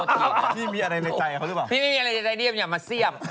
พี่มีอะไรในใจเขาหรือเปล่าพี่ไม่มีอะไรในใจเรียบอย่ามาเสี่ยม